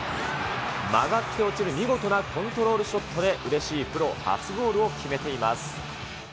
曲がって落ちる見事なコントロールショットで、うれしいプロ初ゴールを決めています。